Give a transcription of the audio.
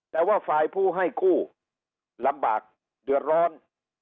แต่ว่าฝ่ายผู้ให้กู้ลำบากเดือดร้อน